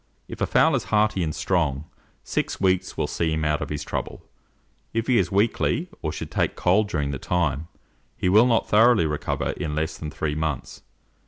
If a fowl is hearty and strong, six weeks will see him out of his trouble; if he is weakly, or should take cold during the time, he will not thoroughly recover in less than three months.